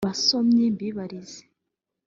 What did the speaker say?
Basomyi mbibarize